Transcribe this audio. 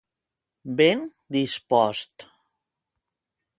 Ben dispost.